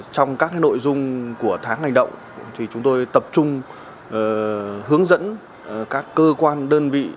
trong các nội dung của tháng hành động chúng tôi tập trung hướng dẫn các cơ quan đơn vị